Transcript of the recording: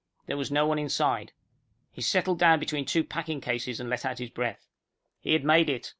There was no one inside. He settled down between two packing cases and let out his breath. He had made it.